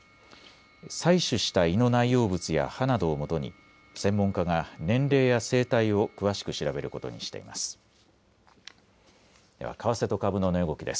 採取した胃の内容物や歯などをもとに専門家が年齢や生態を詳しく調べることにしています。